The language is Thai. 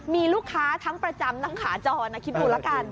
มีลูกค้าทั้งประจำทั้งขาจอคิดหมูละกัน